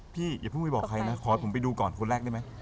อย่าเพิ่งไปบอกใครนะขอให้ผมไปดูก่อนคนแรกได้ไหม